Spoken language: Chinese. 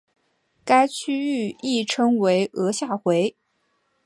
该区域亦称为额下回。